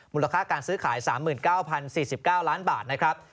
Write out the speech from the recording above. มูลค่าการซื้อขาย๓๙๐๔๙ล้านบาทนะครับ